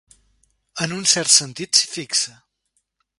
En un cert sentit, s'hi fixa.